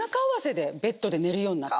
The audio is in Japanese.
ベッドで寝るようになって。